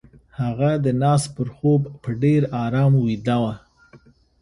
هغه د ناز پر خوب په ډېر آرام ويده وه.